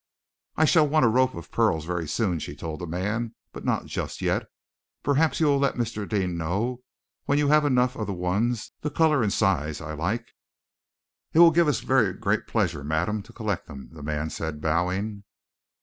"I shall want a rope of pearls very soon," she told the man, "but not just yet. Perhaps you will let Mr. Deane know when you have enough of the ones the color and size I like." "It will give us very great pleasure, madam, to collect them," the man said, bowing.